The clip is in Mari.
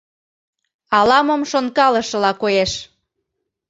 Ала-мом шонкалышыла коеш.